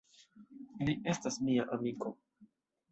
Li estas mia amiko.